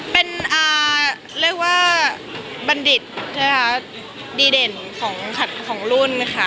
เป็นเรียกว่าบัณฑิตนะคะดีเด่นของรุ่นค่ะ